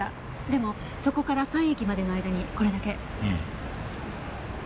でもそこから３駅までの間にこれだけ。